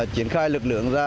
triển khai lực lượng ra